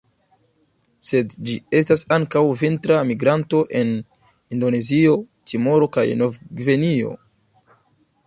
Sed ĝi estas ankaŭ vintra migranto en Indonezio, Timoro kaj Nov-Gvineo.